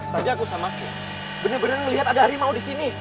tadi aku sama benar benar melihat ada harimau di sini